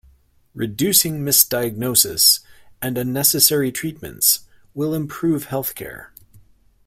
Reducing misdiagnoses and unnecessary treatments will improve healthcare.